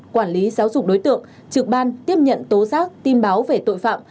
quản lý giáo dục đối tượng trực ban tiếp nhận tố giác tin báo về tội phạm